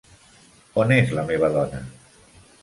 On és la meva dona?